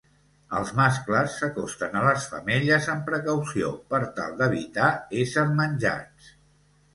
Els mascles s'acosten a les femelles amb precaució per tal d'evitar ésser menjats.